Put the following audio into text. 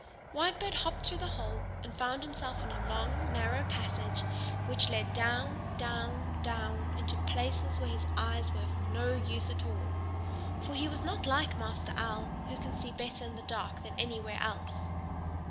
Whitebird hopped through the hole and found himself in a long, narrow passage which led down, down, down into places where his eyes were of no use at all. For he was not like Master Owl, who can see better in the dark than anywhere else.